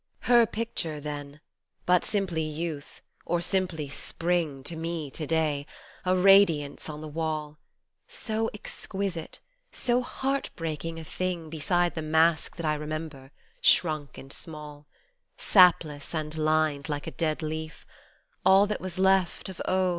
Her picture then : but simply Youth, or simply Spring To me to day : a radiance on the wall, So exquisite, so heart breaking a thing Beside the mask that I remember, shrunk and small, Sapless and lined like a dead leaf, All that was left of oh